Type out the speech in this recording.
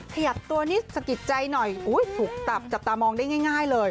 ขยับตัวนิดสะกิดใจหน่อยถูกจับจับตามองได้ง่ายเลย